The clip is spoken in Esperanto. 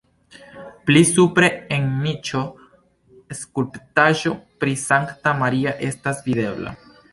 Pli supre en niĉo skulptaĵo pri Sankta Maria estas videbla.